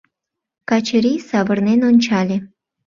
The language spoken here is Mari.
Качырий савырнен ончале...